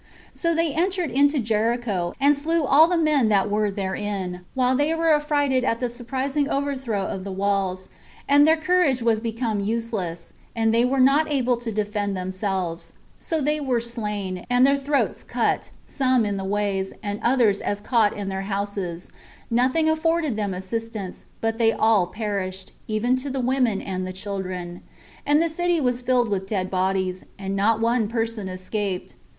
7. So they entered into Jericho, and slew all the men that were therein, while they were affrighted at the surprising overthrow of the walls, and their courage was become useless, and they were not able to defend themselves; so they were slain, and their throats cut, some in the ways, and others as caught in their houses; nothing afforded them assistance, but they all perished, even to the women and the children; and the city was filled with dead bodies, and not one person escaped.